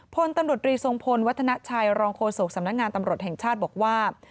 พลตำรวจรีทรงพลวัฒนาชัยรองโฆษกสำนักงานตำรวจแห่งชาติบอกว่า